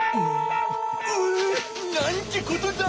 うん！なんてことだ！